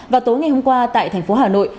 vào tối ngày hôm qua tại thành phố hà nội